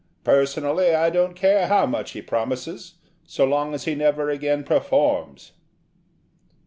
Personally I don't care how much he promises so long as he never again performs.'